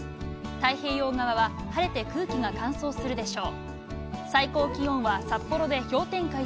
太平洋側は、晴れて空気が乾燥するでしょう。